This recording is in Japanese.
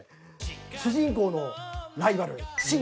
主人公のライバルシン。